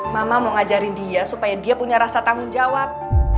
mama mau ngajarin dia supaya dia punya rasa tanggung jawab